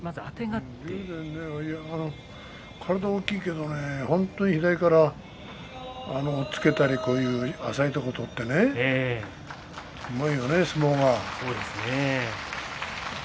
中で体が大きいけど左から押っつけたり浅いところを取ったりうまいよね、相撲が。